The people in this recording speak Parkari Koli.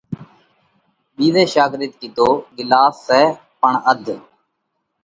ٻِيزئہ شاڳرڌ ڪِيڌو: ڳِلاس سئہ پڻ اڌ۔